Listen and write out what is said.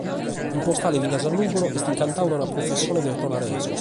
In postale finas a Nùgoro est incantadu dae una prufessone de tonaresos.